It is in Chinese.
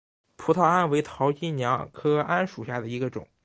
葡萄桉为桃金娘科桉属下的一个种。